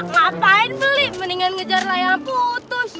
ngapain beli mendingan ngejar layangan putus